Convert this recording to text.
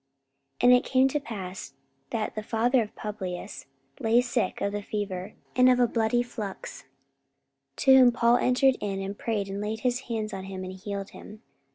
44:028:008 And it came to pass, that the father of Publius lay sick of a fever and of a bloody flux: to whom Paul entered in, and prayed, and laid his hands on him, and healed him.